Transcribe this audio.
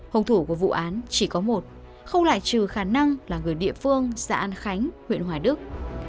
hồng thủ của vụ án chỉ có một không lại trừ khả năng là người địa phương xã an khánh huyện hoài đức